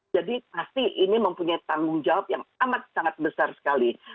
jadi pasti ini mempunyai tanggung jawab yang sangat besar sekali